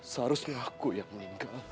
seharusnya aku yang meninggal